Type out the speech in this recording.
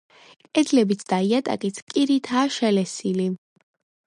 კედლებიც და იატაკიც კირითაა შელესილი.